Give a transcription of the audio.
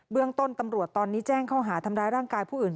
เรื่องต้นตำรวจตอนนี้แจ้งข้อหาทำร้ายร่างกายผู้อื่น